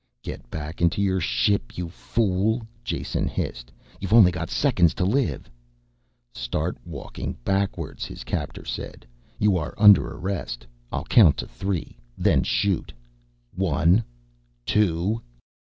"Get back into your ship, you fool," Jason hissed. "You've got only seconds to live." "Start walking backwards," his captor said. "You are under arrest. I'll count to three, then shoot. One ... two...."